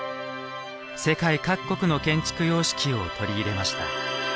世界各国の建築様式を取り入れました。